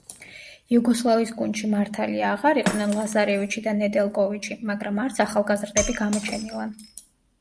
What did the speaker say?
იუგოსლავიის გუნდში მართლია აღარ იყვნენ ლაზარევიჩი და ნედელკოვიჩი, მაგრამ არც ახალგაზრდები გამოჩენილან.